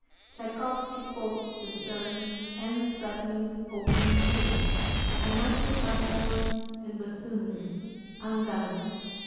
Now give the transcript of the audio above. [Tschaikowsky quotes the stern and threatening opening theme, announced by horns and bassoons, Andante.